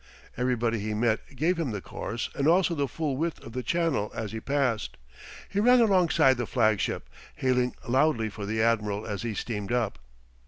Everybody he met gave him the course and also the full width of the channel as he passed. He ran alongside the flag ship, hailing loudly for the admiral as he steamed up.